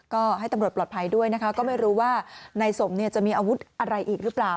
ก็ให้ตำรวจปลอดภัยด้วยนะคะก็ไม่รู้ว่านายสมจะมีอาวุธอะไรอีกหรือเปล่า